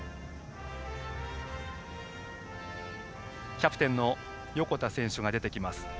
キャプテンの横田選手が出てきます。